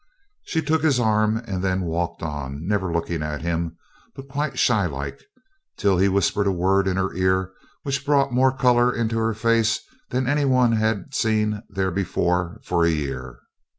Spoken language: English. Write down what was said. She took his arm then and walked on, never looking at him, but quite shy like, till he whispered a word in her ear which brought more colour into her face than any one had seen there before for a year.